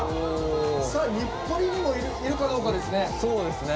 日暮里にもいるかどうかですね。